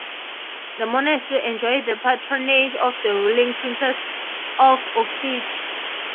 The monastery enjoyed the patronage of the ruling Princes of Uglich.